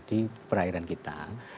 di perairan kita